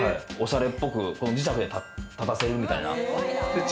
磁石で立たせるみたいな。